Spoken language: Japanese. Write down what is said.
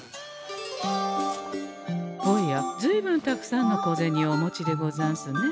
おやずいぶんたくさんのこぜにをお持ちでござんすね。